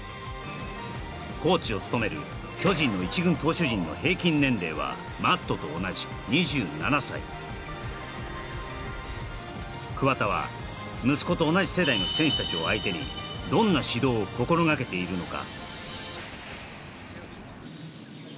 コーチを務める巨人の１軍投手陣の平均年齢はＭａｔｔと同じ２７歳桑田は息子と同じ世代の選手たちを相手にどんな指導を心掛けているのか？